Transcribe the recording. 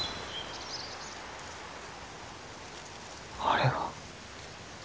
あれは。